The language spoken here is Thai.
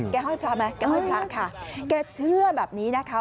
แกห้อยพระไหมแกเชื่อแบบนี้นะคะ